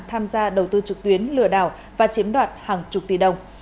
tham gia đầu tư trực tuyến lừa đảo và chiếm đoạt hàng chục tỷ đồng